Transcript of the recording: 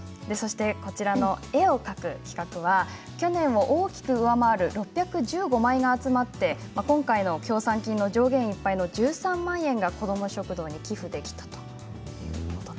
絵を描く企画は去年を大きく上回る６１５枚が集まって今回の協賛金の上限めいっぱいの１３万円が、こども食堂に寄付できたそうです。